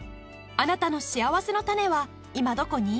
あなたのしあわせのたねは今どこに？